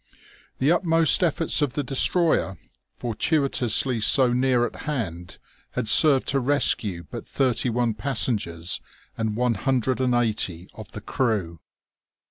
The utmost efforts of the destroyer, fortuitously so near at hand, had served to rescue but thirty one passengers and one hundred and eighty of the crew.